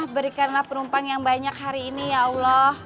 berikanlah penumpang yang banyak hari ini ya allah